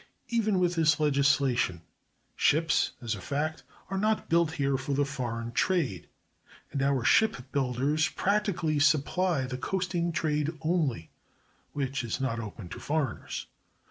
Even with this legislation, ships, as a fact, are not built here for the foreign trade; and our ship builders practically supply the coasting trade only (which is not open to foreigners).